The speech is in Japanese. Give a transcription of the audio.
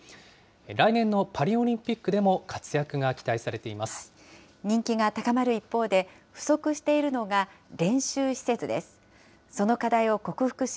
来年のパリオリンピックでも活躍が期待されています。